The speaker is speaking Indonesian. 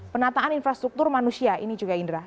penataan infrastruktur manusia ini juga indra